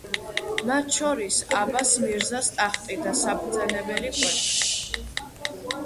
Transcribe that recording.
მათ შორის აბას მირზას ტახტი და საბრძანებელი კვერთხი.